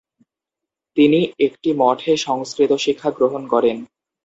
তিনি একটি মঠে সংস্কৃত শিক্ষা গ্রহণ করেন।